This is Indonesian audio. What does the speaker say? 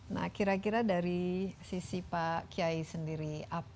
nah kira kira dari sisi pak kiai sendiri